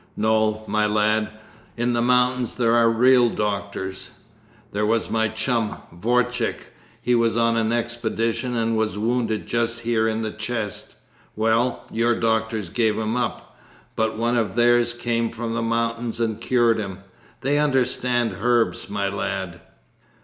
No, my lad, in the mountains there are real doctors. There was my chum, Vorchik, he was on an expedition and was wounded just here in the chest. Well, your doctors gave him up, but one of theirs came from the mountains and cured him! They understand herbs, my lad!'